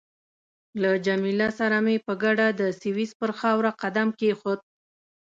له جميله سره مې په ګډه د سویس پر خاوره قدم کېښود.